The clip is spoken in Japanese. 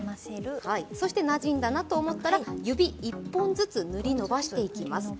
そしてなじんだなと思ったら指、一本ずつ塗りのばしていきます。